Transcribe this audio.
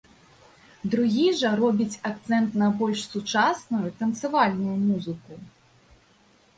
Другі жа робіць акцэнт на больш сучасную, танцавальную музыку.